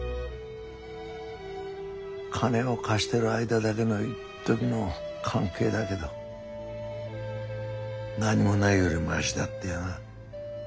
金を貸してる間だけのいっときの関係だけど何もないよりマシだってな。